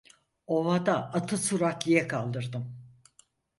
Ovada atı süratliye kaldırdım.